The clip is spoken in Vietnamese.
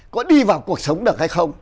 có đi vào cuộc sống được hay không